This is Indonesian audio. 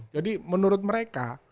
jadi menurut mereka